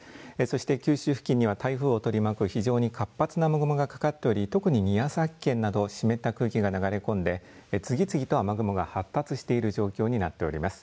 そして九州付近には台風を取り巻く非常に活発な雨雲がかかっており特に宮崎県など湿った空気が流れ込んで次々と雨雲が発達している状況になっております。